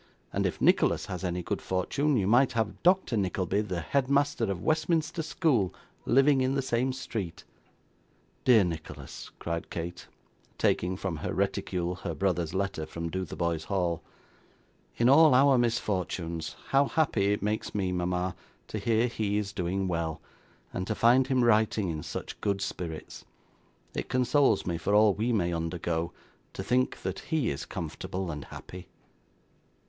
and if Nicholas has any good fortune, you might have Doctor Nickleby, the head master of Westminster School, living in the same street.' 'Dear Nicholas!' cried Kate, taking from her reticule her brother's letter from Dotheboys Hall. 'In all our misfortunes, how happy it makes me, mama, to hear he is doing well, and to find him writing in such good spirits! It consoles me for all we may undergo, to think that he is comfortable and happy.